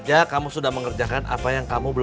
dia saya sengaja menghargai sekarang jadi sopan